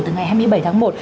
từ ngày hai mươi bảy tháng một